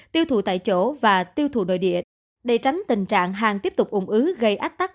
tiêu thụ tại chỗ và tiêu thụ nội địa để tránh tình trạng hàng tiếp tục ủng ứ gây ách tắc